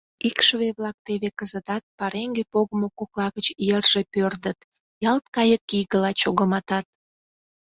Икшыве-влак теве кызытат пареҥге погымо кокла гыч йырже пӧрдыт, ялт кайыкигыла чогыматат.